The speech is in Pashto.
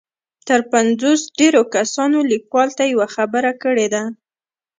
تر پنځوس ډېرو کسانو ليکوال ته يوه خبره کړې ده.